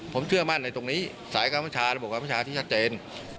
ผมเชื่อมั่นในตรงนี้สายการประชาระบบการประชาที่ชัดเจน